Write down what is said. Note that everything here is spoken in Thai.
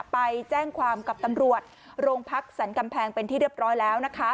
ไปแจ้งความกับตำรวจโรงพักสันกำแพงเป็นที่เรียบร้อยแล้วนะคะ